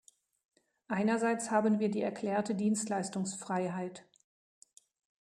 Einerseits haben wir die erklärte Dienstleistungsfreiheit.